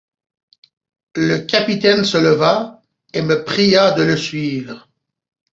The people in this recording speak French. Le capitaine se leva et me pria de le suivre.